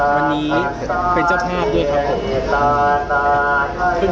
วันนี้เป็นเจ้าภาพด้วยครับผม